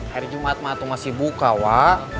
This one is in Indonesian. hari jumat masih buka wak